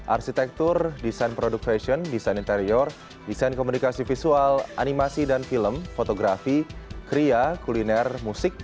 arsitektur desain produk fashion desain interior desain komunikasi visual animasi dan film fotografi kria kuliner musik